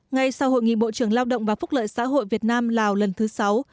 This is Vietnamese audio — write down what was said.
ngay sau hội nghị bộ trưởng lao động và phúc lợi xã hội việt nam lào lần thứ sáu